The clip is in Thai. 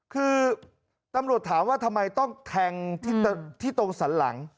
คือตำรวจถามว่าทำไมต้องแทงที่ตรงสันหลัง